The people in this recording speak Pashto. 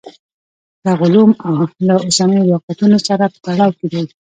دغه علوم له اوسنیو واقعیتونو سره په تړاو کې دي.